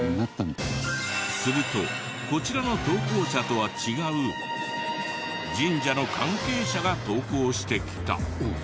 するとこちらの投稿者とは違う神社の関係者が投稿してきた。